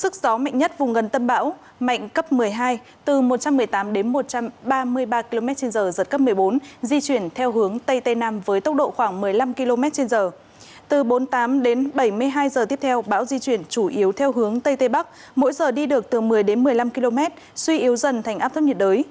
cơn bão số sáu di chuyển chủ yếu theo hướng tây tây bắc mỗi giờ đi được từ một mươi đến một mươi năm km suy yếu dần thành áp thấp nhiệt đới